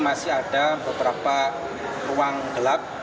masih ada beberapa ruang gelap